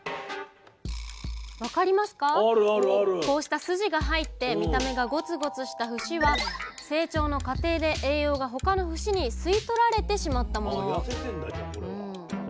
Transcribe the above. こうした筋が入って見た目がゴツゴツした節は成長の過程で栄養が他の節に吸い取られてしまったもの。